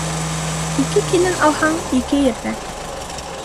Ике килен алһаң, ике ерҙән